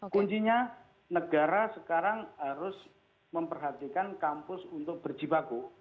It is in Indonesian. kuncinya negara sekarang harus memperhatikan kampus untuk berjibaku